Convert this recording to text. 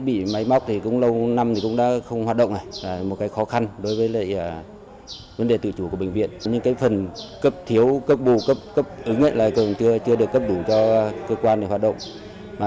bệnh viện chưa được cấp đủ cho cơ quan để hoạt động